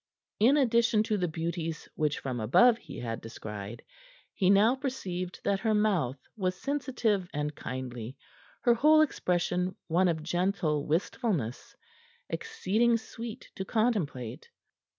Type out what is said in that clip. In addition to the beauties which from above he had descried, he now perceived that her mouth was sensitive and kindly, her whole expression one of gentle wistfulness, exceeding sweet to contemplate.